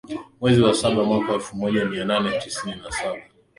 mwezi wa saba mwaka elfu moja mia nane tisini na saba